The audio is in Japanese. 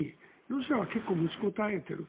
ロシアは結構持ちこたえている。